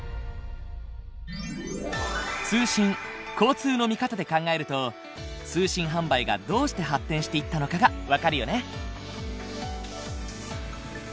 通信交通の見方で考えると通信販売がどうして発展していったのかが分かるよね。